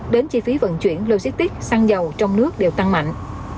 đến chi phí vận chuyển logistic săn dầu trong nước đều tăng mạnh